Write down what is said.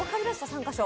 ３か所。